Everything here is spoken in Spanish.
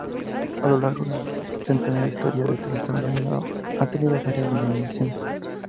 A lo largo de su centenaria historia, Trasandino ha tenido varias denominaciones.